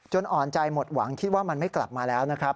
อ่อนใจหมดหวังคิดว่ามันไม่กลับมาแล้วนะครับ